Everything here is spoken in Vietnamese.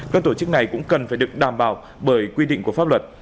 các tổ chức này cũng cần phải được đảm bảo bởi quy định của pháp luật